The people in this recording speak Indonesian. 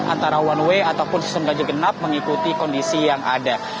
antara one way ataupun sistem ganjil genap mengikuti kondisi yang ada